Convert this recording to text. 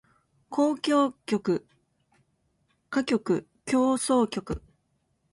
交響曲歌曲協奏曲